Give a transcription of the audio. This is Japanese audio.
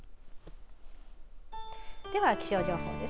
では、気象情報です。